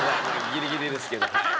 ギリギリですけどはい。